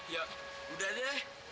ya udah deh